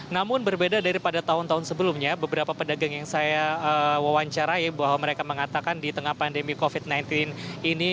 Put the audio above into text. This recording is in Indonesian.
namun berbeda daripada tahun tahun sebelumnya beberapa pedagang yang saya wawancarai bahwa mereka mengatakan di tengah pandemi covid sembilan belas ini